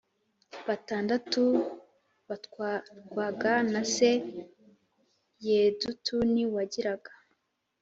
batandatu batwarwaga na se Yedutuni wagiraga